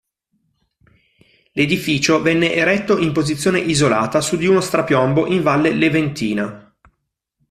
L'edificio venne eretto in posizione isolata su di uno strapiombo in Valle Leventina.